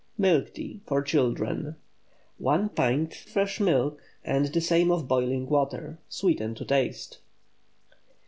MILK TEA (FOR CHILDREN.) 1 pint fresh milk and the same of boiling water. Sweeten to taste.